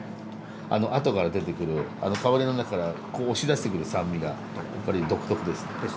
あとから出てくる香りの中からこう押し出してくる酸味がやっぱり独特ですね。